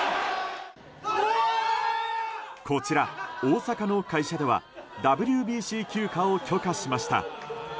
こちら、大阪の会社ではＷＢＣ休暇を許可しました。